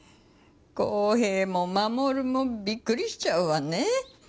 公平も守もびっくりしちゃうわね。